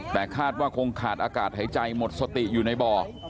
แต่คาดว่าคงขาดอากาศหายใจหมดสติอยู่ในบ่อ